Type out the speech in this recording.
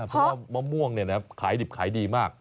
เพราะว่ามะม่วงขายดิบขายดีมาก